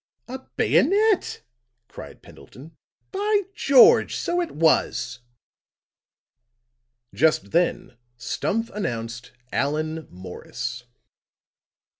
"A bayonet," cried Pendleton. "By George! So it was." Just then Stumph announced Allan Morris.